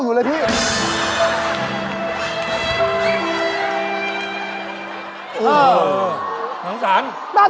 จับข้าว